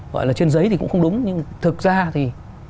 gọi là trên giấy thì cũng không đúng nhưng thực ra thì